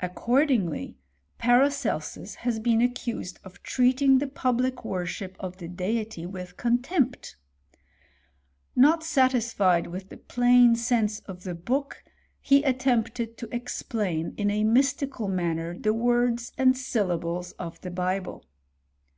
Accordingly, Paracelsus has been accused of treating the public worship of the Deity with contempt. Not satisfied with the plain sense of the book, he attempted to ex^ plain in a mystical manner the words and syllables of the Bible.